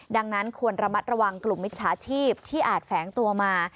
ดังนั้นควรระมัดระวังกลุ่มมิจฉาชีพที่อาจแฝงตัวมา